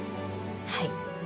はい。